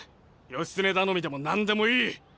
義経頼みでも何でもいい！